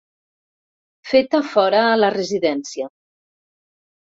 Feta fora a la residència.